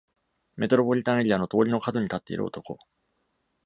メトロポリタンエリアの通りの角に立っている男。